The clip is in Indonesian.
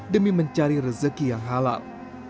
demi mencari rezeki yang halal